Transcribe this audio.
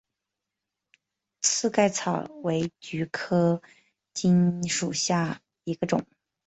刺盖草为菊科蓟属下的一个种。